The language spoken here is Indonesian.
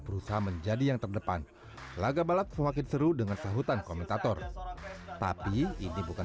berusaha menjadi yang terdepan laga balap semakin seru dengan sahutan komentator tapi ini bukan